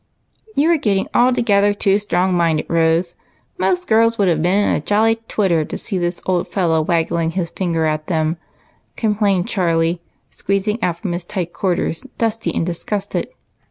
"You are getting altogether too strong minded, Rose J most girls would have been in a jolly twitter to see this old fellow waggling his finger at them," complained Charlie, squeezing out from his tight quarters, dusty and disgusted.